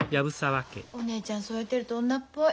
お姉ちゃんそうやってると女っぽい。